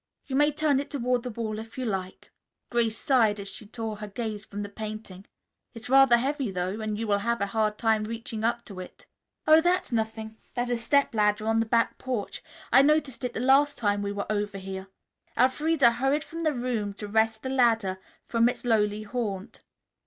"You may turn it toward the wall if you like." Grace sighed as she tore her gaze from the painting. "It's rather heavy, though, and you will have a hard time reaching up to it." "Oh, that's nothing. There's a step ladder on the back porch. I noticed it the last time we were over here." Elfreda hurried from the room to wrest the ladder from its lowly haunt.